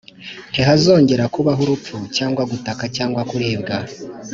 Ntihazongera kubaho urupfu cyangwa gutaka cyangwa kuribwa